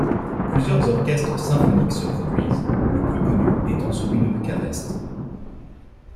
Plusieurs orchestres symphoniques se produisent, le plus connu étant celui de Bucarest.